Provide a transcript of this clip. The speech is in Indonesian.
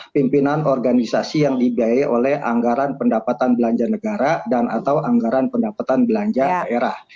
pimpinan organisasi yang dibiayai oleh anggaran pendapatan belanja negara dan atau anggaran pendapatan belanja daerah